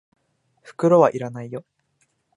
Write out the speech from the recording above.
袋は要らないよ。